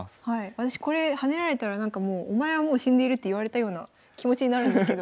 私これ跳ねられたらなんかもう「お前はもう死んでいる」って言われたような気持ちになるんですけど。